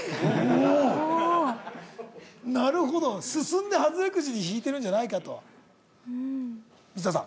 おおーなるほど進んで外れクジ引いてるんじゃないかと三和さん